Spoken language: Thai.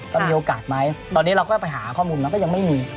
จะมีโอกาสไหมตอนนี้เราก็ไปหาข้อมูลมาก็ยังไม่มี